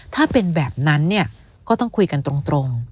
ถ้าเป็นแบบนั้นเนี่ยก็ต้องคุยกันตรง